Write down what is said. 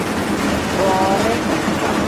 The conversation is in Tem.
Borii.